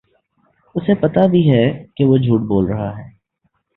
اُسے پتہ بھی ہے کہ وہ جھوٹ بول رہا ہے